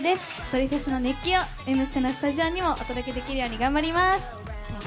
「ドリフェス」の熱気を「Ｍステ」のスタジオにもお届けできるよう頑張ります。